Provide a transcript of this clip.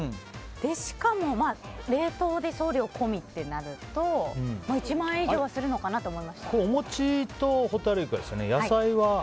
しかも冷凍で送料込みってなるともう１万円以上はするのかなとお餅とホタルイカですよね。